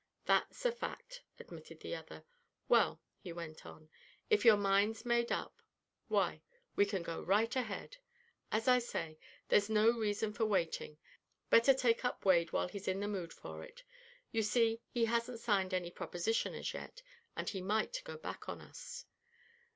"That's a fact," admitted the other. "Well," he went on, "if your mind's made up, why we can go right ahead. As I say, there's no reason for waiting; better take up Wade while he's in the mood for it. You see, he hasn't signed any proposition as yet, and he might go back on us."